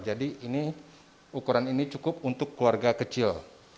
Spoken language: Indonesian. jadi ini ukuran ini cukup untuk keluarga kecil